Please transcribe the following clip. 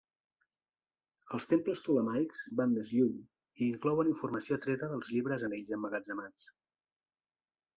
Els temples ptolemaics van més lluny i inclouen informació treta dels llibres en ells emmagatzemats.